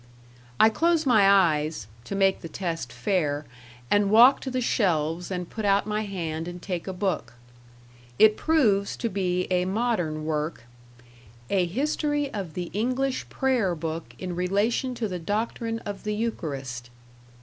I close my, eyes, to make the test fair, and walk to the shelves and put out my hand and take a book. It proves to be a modern work, "A History of the English Prayer book in Relation to the Doctrine of the Eucharist".